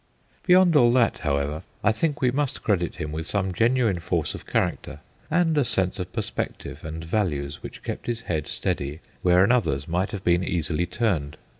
Beyond all that, however, I think we must credit him with some genuine force of character, and a sense of perspective and values which kept his head steady where another's might have been easily turned.